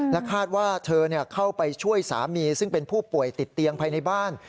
คาดว่าเธอเข้าไปช่วยสามีซึ่งเป็นผู้ป่วยติดเตียงภายในบ้าน